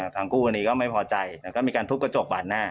คู่กรณีก็ไม่พอใจแล้วก็มีการทุบกระจกบาดหน้า